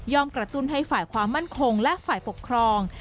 กระตุ้นให้ฝ่ายความมั่นคงและฝ่ายปกครอง